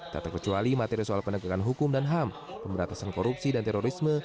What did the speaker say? tak terkecuali materi soal penegakan hukum dan ham pemberantasan korupsi dan terorisme